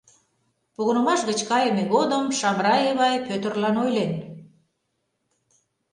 Погынымаш гыч кайыме годым Шамрай Эвай Пӧтырлан ойлен: